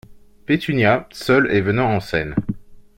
Pétunia , seule et venant en scène.